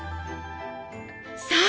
さあ！